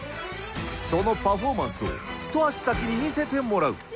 そのパフォーマンスを、一足先に見せてもらう。